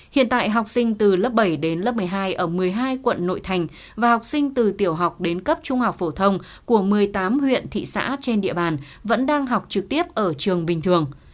hiện tại học sinh từ lớp bảy đến lớp một mươi hai ở một mươi hai quận nội thành và học sinh từ tiểu học đến cấp trung học phổ thông của một mươi tám huyện thị xã trên địa bàn vẫn đang học trực tiếp ở trường bình thường